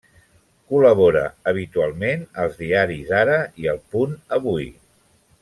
Col·labora habitualment als diaris Ara i El Punt-Avui.